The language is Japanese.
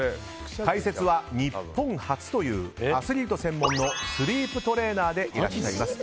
解説は日本初というアスリート専門のスリープトレーナーでいらっしゃいます。